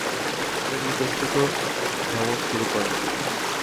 তিনি ইতস্তত ভ্রমণ শুরু করেন ।